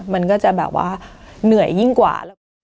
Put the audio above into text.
มันก็จะเหนื่อยยิ่งกว่า